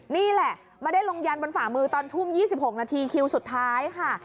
นี่แหละไม่ได้ลงยันบนฝ่ามือตอนทุ่ม๒๖นาทีคิวสุดท้ายค่ะ